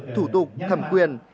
thủ tục thẩm quyền